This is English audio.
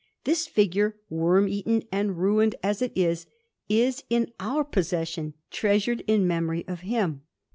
This figure, worm eaten and ruined as it is, is in our possession, treasured in memory of him.